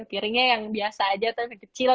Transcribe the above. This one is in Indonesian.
piringnya yang biasa saja tapi kecil